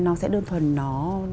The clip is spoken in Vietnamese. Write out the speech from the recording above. nó sẽ đơn thuần nó